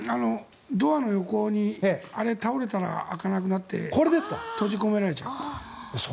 ドアの横にあれ、倒れたら開かなくなって閉じ込められちゃう。